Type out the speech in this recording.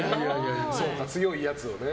そうか、強いやつをね。